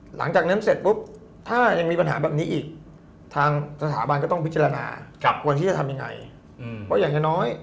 หลังจากนั้นเสร็จปุ๊บถ้ายังมีปัญหาแบบนี้อีกทางสถาบันก็ต้องพิจารณาวันที่จะทำยังไง